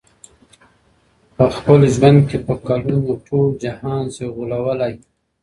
په خپل ژوند کي په کلونو، ټول جهان سې غولولای .